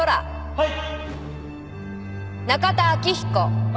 はい。